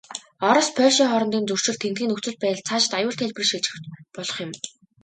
Орос, Польшийн хоорондын зөрчил, тэндхийн нөхцөл байдал, цаашид аюултай хэлбэрт шилжиж болох юм.